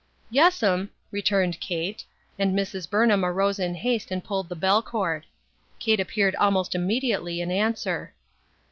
"Yes'm," returned Kate, and Mrs. Burnham arose in haste and pulled the bell cord. Kate appeared almost immediately in answer.